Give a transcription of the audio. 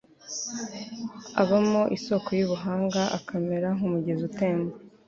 abamo isoko y’ubuhanga akamera nk’umugezi utemba